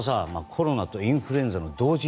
コロナとインフルエンザの同時